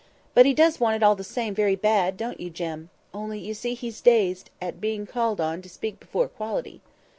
—But he does want it all the same, very bad—don't you, Jem?—only, you see, he's dazed at being called on to speak before quality."